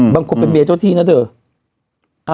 บางคนเป็นเมียเจ้าที่นะเถอะ